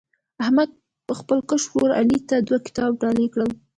احمد خپل کشر ورر علي ته دوه کتابونه ډالۍ کړل.